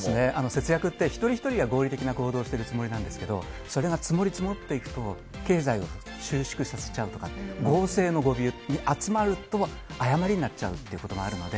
節約って一人一人は合理的な行動をしているつもりなんですけど、それが積もり積もっていくと、経済を収縮させちゃうとか、、集まると誤りになっちゃうっていうこともあるので、